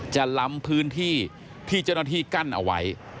ล้ำพื้นที่ที่เจ้าหน้าที่กั้นเอาไว้